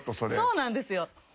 そうなんですよ。